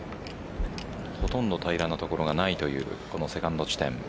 ほとんど平らな所がないというこのセカンド地点。